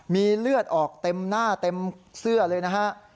มีเลือดออกเต็มหน้าเต็มเสื้อเลยนะฮะ